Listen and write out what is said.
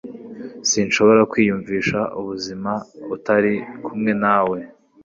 sinshobora kwiyumvisha ubuzima utari kumwe nawe.